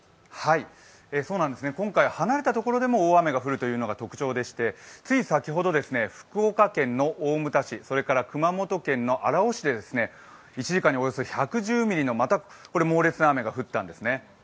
今回、離れた所でも大雨が降るというのが特徴でしてつい先ほど福岡県の大牟田市熊本県の荒尾市で、１時間におよそ１１０ミリの猛烈な雨が降ったんですね。